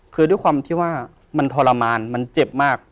คือด้วยความที่ว่ามันทรมานมันเจ็บมาก